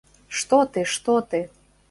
Што ты, што ты.